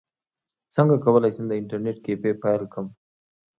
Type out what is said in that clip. څنګه کولی شم د انټرنیټ کیفې پیل کړم